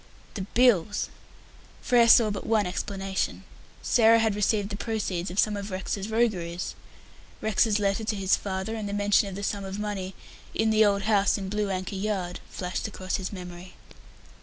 "The bills!" Frere saw but one explanation. Sarah had received the proceeds of some of Rex's rogueries. Rex's letter to his father and the mention of the sum of money "in the old house in Blue Anchor Yard" flashed across his memory.